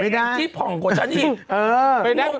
แต่แอ้งจีผ่องกว่าฉันอีก